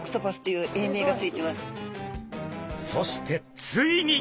そしてついに！